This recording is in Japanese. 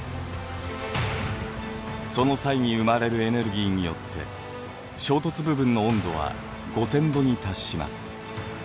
その際に生まれるエネルギーによって衝突部分の温度は５，０００度に達します。